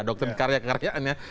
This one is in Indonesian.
doktrin karya kekaryaan ya